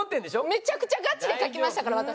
めちゃくちゃガチで書きましたから私。